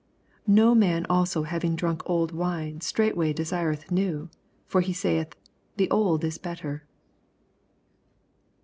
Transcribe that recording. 89 No man also having drank old wine straightway desireth new: fot he saith, The old is better.